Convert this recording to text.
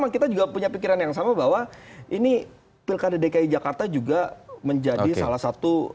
kita juga punya pikiran yang sama bahwa ini pilkada dki jakarta juga menjadi salah satu